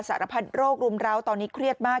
สารพัดโรครุมร้าวตอนนี้เครียดมาก